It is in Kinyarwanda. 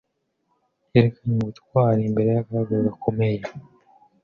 Yerekanye ubutwari imbere y’akaga gakomeye.